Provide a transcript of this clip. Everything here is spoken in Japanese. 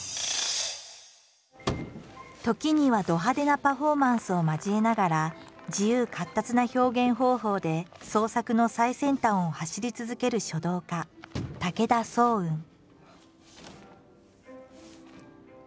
時にはど派手なパフォーマンスを交えながら自由闊達な表現方法で創作の最先端を走り続ける書道家武田双雲。